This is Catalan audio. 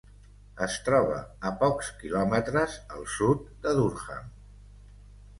Es troba a pocs quilòmetres al sud de Durham.